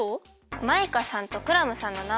マイカさんとクラムさんのなまえ。